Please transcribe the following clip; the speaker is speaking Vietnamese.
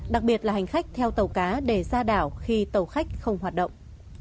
đặc biệt là hành khách theo tàu cá để ra đảo khi tàu khách không hoạt động